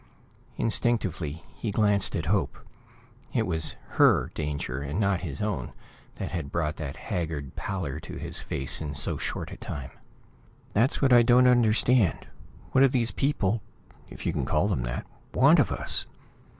Instinctively, he glanced at Hope; it was her danger, and not his own, that had brought that haggard pallor to his face in so short a time. "That's what I don't understand. What do these people if you can call them that want of us?"